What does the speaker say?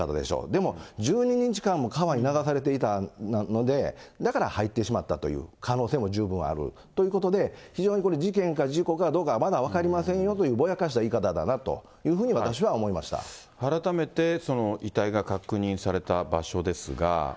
でも、１２日間も川に流されていたので、だから入ってしまったという可能性も十分あるということで、非常にこれ、事件か事故かどうかまだ分かりませんよという、ぼやかした言い方だなというふうに、改めて、遺体が確認された場所ですが。